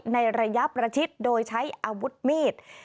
ในระยะประชิดโดยใช้อาวุธมีด